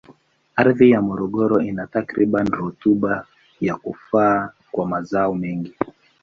Ardhi ya Morogoro ina takribani rutuba ya kufaa kwa mazao mengi.